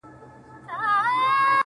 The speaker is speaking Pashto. اوښکي دې توی کړلې ډېوې، راته راوبهيدې